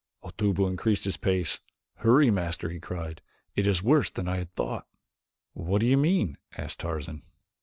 Otobu increased his pace. "Hurry, Master," he cried, "it is worse than I had thought." "What do you mean?" asked Tarzan.